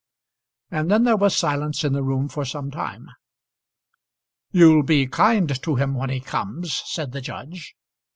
And then there was silence in the room for some time. "You'll be kind to him when he comes?" said the judge.